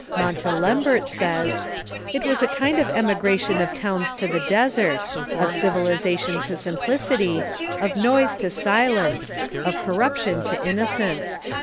Monta lembert says: "It was a kind of emigration of towns to the desert, of civilization to simplicity, of noise to silence, of cor ruption to innocence.